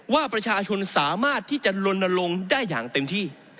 ว่าประชาชนสามารถที่จะลนลงได้อย่างเต็มที่